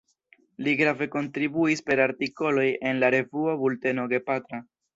Li grave kontribuis per artikoloj en la revuo Bulteno Gepatra.